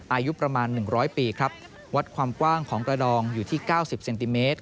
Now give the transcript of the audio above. อายุประมาณหนึ่งร้อยปีครับวัดความกว้างของกระดองอยู่ที่เก้าสิบเซ็นติเมตร